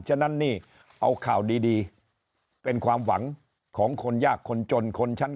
ฉะนั้นนี่เอาข่าวดีเป็นความหวังของคนยากคนจนคนชั้น